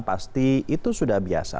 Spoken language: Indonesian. pasti itu sudah biasa